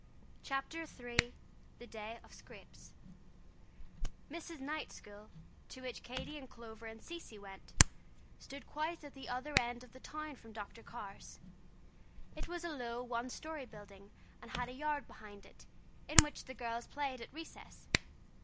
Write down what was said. CHAPTER III THE DAY OF SCRAPES Mrs. Knight's school, to which Katy and Clover and Cecy went, stood quite at the other end of the town from Dr. Carr's. It was a low, one story building and had a yard behind it, in which the girls played at recess.